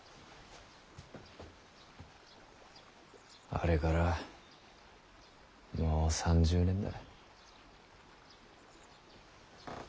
あれからもう３０年だ。